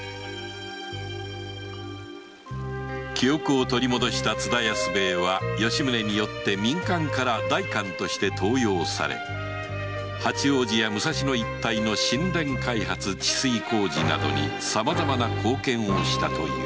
記憶を取り戻した津田安兵衛は吉宗によって民間から代官として登用され八王子や武蔵野一帯の新田開発治水工事などにさまざまな貢献をしたという